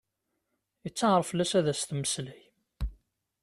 Yettaɛer fell-as ad as-temmeslay.